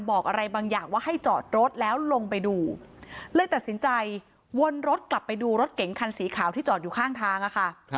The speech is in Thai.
บอกอะไรบางอย่างว่าให้จอดรถแล้วลงไปดูเลยตัดสินใจวนรถกลับไปดูรถเก๋งคันสีขาวที่จอดอยู่ข้างทางอะค่ะ